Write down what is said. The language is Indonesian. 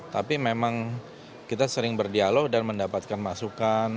tapi memang kita sering berdialog dan mendapatkan masukan